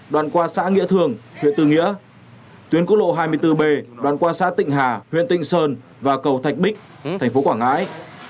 đoạn qua xã nghĩa thường huyện tư nghĩa tuyến quốc lộ hai mươi bốn b đoạn qua xã tịnh hà huyện tịnh sơn và cầu thạch bích thành phố quảng ngãi